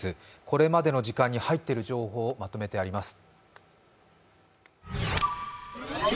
これまでの時間に入っている情報をまとめてあります。